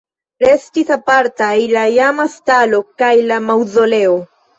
Restis apartaj la iama stalo kaj la maŭzoleo.